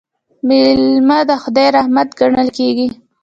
میلمه د خدای رحمت ګڼل کیږي.